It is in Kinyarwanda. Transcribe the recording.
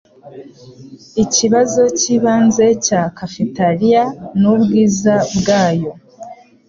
Ikibazo cyibanze cya cafeteria nubwiza bwayo.